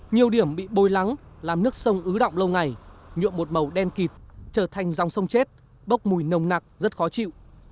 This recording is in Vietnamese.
nhiều điểm bị bôi lắng làm nước sông ứ động lâu ngày nhuộm một màu đen kịt trở thành dòng sông chết bốc mùi nồng nặc rất khó chịu